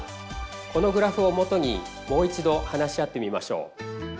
このグラフをもとにもう一度話し合ってみましょう。